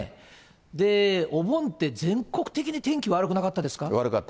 で、お盆って全国的に天気悪くなかったですか。